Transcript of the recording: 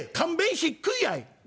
しっくいやい！」。